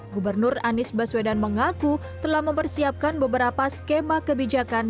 gubernur anies baswedan mengaku telah mempersiapkan beberapa skema kebijakan